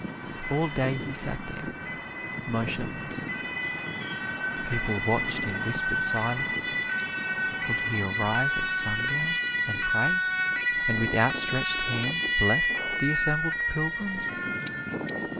All day he sat there, motionless. The people watched in whispered silence. Would he arise at sundown and pray, and with outstretched hands bless the assembled pilgrims?